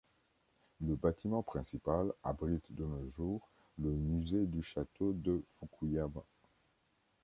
Le bâtiment principal abrite de nos jours le musée du château de Fukuyama.